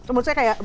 menurut saya kayak